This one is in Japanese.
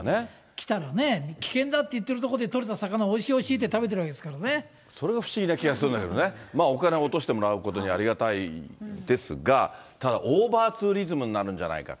来たらね、危険だと言ってる所で取れた魚はおいしいおいしいって食べてるわそれが不思議な気がするんだけどね、まあお金を落としてもらうことにはありがたいですが、ただ、オーバーツーリズムになるんじゃないかと。